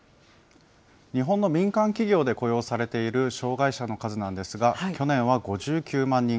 日本の民間企業で雇用されている障害者の数なんですが、去年は５９万人。